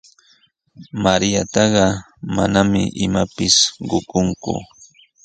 Mariataqa manami imapis qukunku.